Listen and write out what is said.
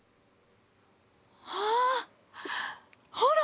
あっほら！